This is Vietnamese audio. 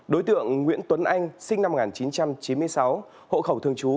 đối tượng nguyễn tuấn anh sinh năm một nghìn chín trăm chín mươi sáu hộ khẩu thường trú